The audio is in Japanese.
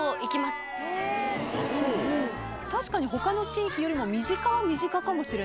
確かに他の地域よりも身近は身近かもしれないですね。